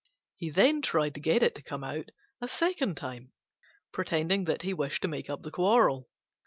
He then tried to get it to come out a second time, pretending that he wished to make up the quarrel.